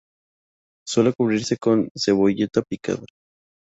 Suele cubrirse con cebolleta picada.